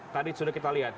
tadi sudah kita lihat